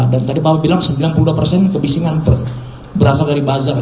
dan tadi pak bilang sembilan puluh dua persen kebisingan berasal dari bazar